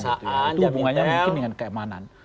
itu hubungannya mungkin dengan keamanan